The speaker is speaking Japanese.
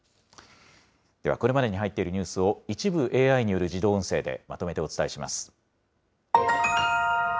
ではこれまでに入っているニュースを、一部ＡＩによる自動音声でまとめてお伝えします。